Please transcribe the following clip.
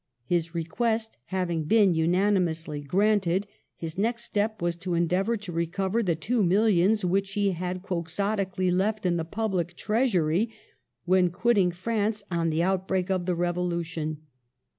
His request hav ing been unanimously granted, his next step was to endeavor to recover the two millions which he had quixotically left in the public treasury when quitting France on the outbreak of the Revolu tion.